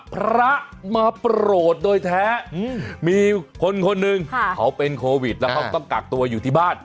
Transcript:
พระมาโปรดโดยแท้มีคนคนหนึ่งเขาเป็นโควิดแล้วเขาต้องกักตัวอยู่ที่บ้าน